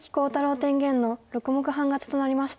天元の６目半勝ちとなりました。